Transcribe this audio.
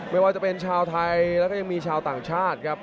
ไม่ว่าจะเป็นชาวไทยแล้วก็ยังมีชาวต่างชาติครับ